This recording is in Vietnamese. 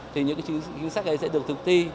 thì những cái chính sách ấy sẽ được thực ti